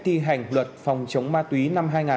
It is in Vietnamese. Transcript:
thi hành luật phòng chống ma túy năm hai nghìn